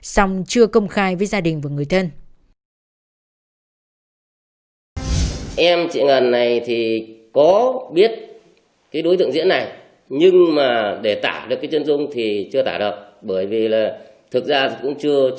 song chưa công khai với gia đình và người thân